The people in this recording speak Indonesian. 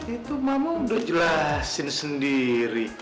itu ma mau jelasin sendiri